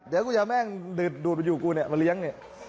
เดี๋ยวกูจะแม่งดูดมาอยู่กับกูมาเลี้ยง